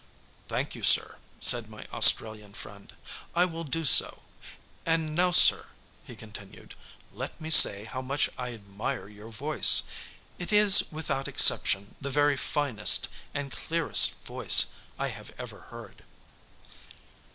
"Thank you, sir," said my Australian friend, "I will do so. And now, sir," he continued, "let me say how much I admire your voice. It is, without exception, the very finest and clearest voice I have ever heard."